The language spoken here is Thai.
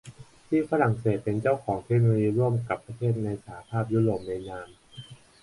ที่ฝรั่งเศสเป็นเจ้าของเทคโนโลยีร่วมกับประเทศในสหภาพยุโรปในนาม